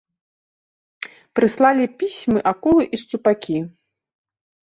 Прыслалі пісьмы акулы і шчупакі.